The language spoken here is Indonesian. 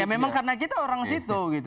ya memang karena kita orang situ